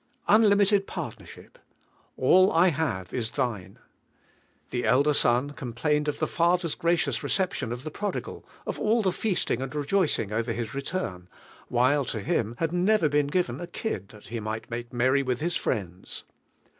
Unlimited Partnership "All I have is thine," The elder son plained of the father's gracioos reception of (he prodi gal, of nil Hie feasting and rejoicing over his return, while lo him had never been given a kid thai tie might make merry with bis friends.